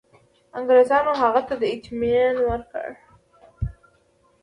انګرېزانو هغه ته اطمیان ورکړ.